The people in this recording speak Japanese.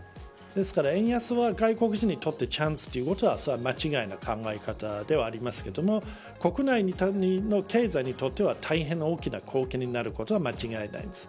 ですから、円安は外国人にとってチャンスということはそれは間違いな考え方ではありますけれども国内の経済にとっては大変大きな貢献になることは間違いないです。